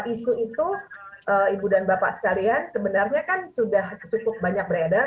isu itu ibu dan bapak sekalian sebenarnya kan sudah cukup banyak beredar